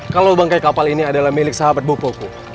kalau bangkai kapal ini adalah milik sahabat bopoku